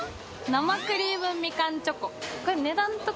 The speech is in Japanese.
生クリームみかんチョコ。